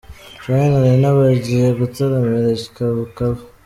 Charly na Nina bagiye gutaramira i Bukavu.